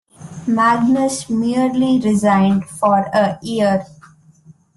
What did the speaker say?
Magnus merely reigned for a year.